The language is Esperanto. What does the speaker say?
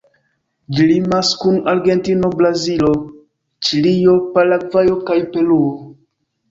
Ĝi limas kun Argentino, Brazilo, Ĉilio, Paragvajo kaj Peruo.